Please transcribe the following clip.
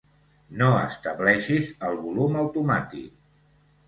No estableixis el volum automàtic.